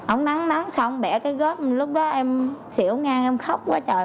ông nắng nắng xong bẻ cái gớt lúc đó em xỉu ngang em khóc quá trời